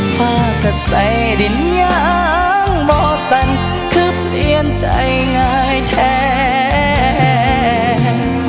ฝากก็ใส่ดินยางบ่อสั่นคือเปลี่ยนใจง่ายแทน